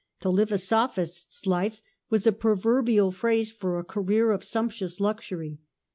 To live a Sophist's life was a pro verbial phrase for a career of sumptuous luxury.